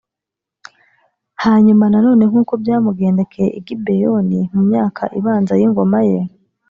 hanyuma nanone nk’uko byamugendekeye i gibeyoni mu myaka ibanza y’ingoma ye